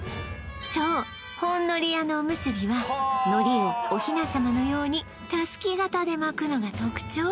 そうほんのり屋のおむすびは海苔をおひな様のようにたすき型で巻くのが特徴